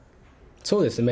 そうですね。